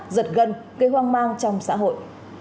giật gần gây hoang mang trong xã hội